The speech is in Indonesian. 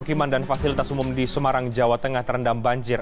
pemukiman dan fasilitas umum di semarang jawa tengah terendam banjir